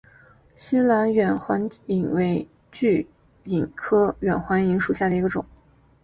栖兰远环蚓为巨蚓科远环蚓属下的一个种。